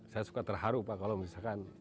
saya suka terharu pak kalau misalkan